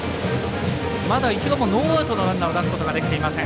まだ一度もノーアウトのランナーを出すことができていません。